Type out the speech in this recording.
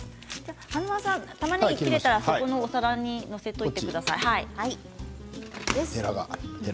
華丸さん、たまねぎが切れたらお皿に載せておいてください。